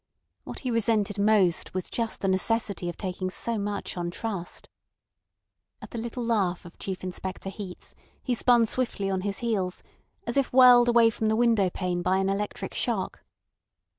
What he resented most was just the necessity of taking so much on trust. At the little laugh of Chief Inspector Heat's he spun swiftly on his heels, as if whirled away from the window pane by an electric shock.